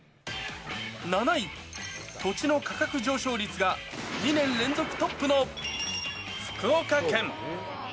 ７位、土地の価格上昇率が２年連続トップの福岡県。